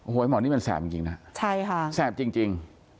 โอ้โหไอ้หมอนี่มันแซมจริงนะแซมจริง